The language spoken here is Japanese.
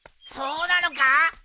そうなのか！？